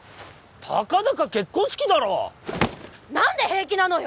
たかだか結婚式だろ何で平気なのよ！？